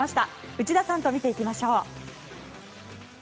内田さんと見ていきましょう。